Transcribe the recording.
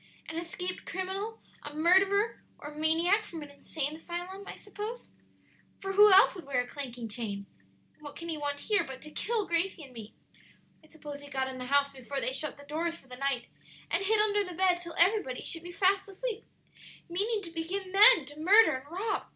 "An escaped criminal a murderer or a maniac from an insane asylum, I suppose; for who else would wear a clanking chain? and what can he want here but to kill Gracie and me? I suppose he got in the house before they shut the doors for the night, and hid under the bed till everybody should be fast asleep, meaning to begin then to murder and rob.